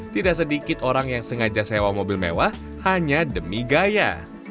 tidak sedikit orang yang sengaja sewa mobil mewah hanya demi gaya